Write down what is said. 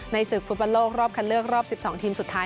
ศึกฟุตบอลโลกรอบคันเลือกรอบ๑๒ทีมสุดท้าย